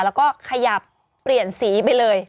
แล้วก็ขยับเปลี่ยนสีไปเลย